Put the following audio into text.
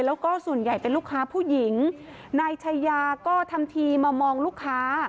แล้วก็ส่วนใหญ่เป็นลูกค้าผู้หญิงนายชายาก็ทำทีมามองลูกค้า